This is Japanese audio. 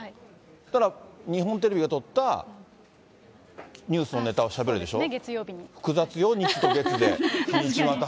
そうしたら、日本テレビがとったニュースのねたをしゃべるでしょ。